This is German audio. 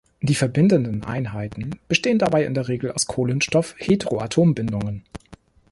Die verbindenden Einheiten bestehen dabei in der Regel aus Kohlenstoff-Heteroatombindungen.